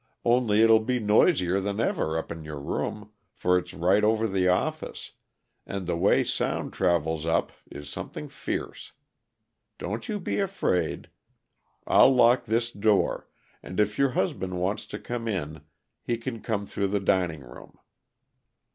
Only it'll be noisier than ever up in your room, for it's right over the office, and the way sound travels up is something fierce. Don't you be afraid I'll lock this door, and if your husband wants to come in he can come through the dining room."